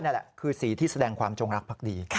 นั่นแหละคือสีที่แสดงความจงรักภักดี